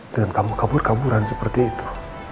dengan kabur kaburan seperti itu